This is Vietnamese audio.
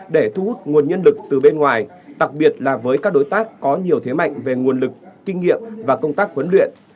để thu hút nguồn nhân lực từ bên ngoài đặc biệt là với các đối tác có nhiều thế mạnh về nguồn lực kinh nghiệm và công tác huấn luyện